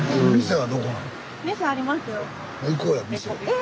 え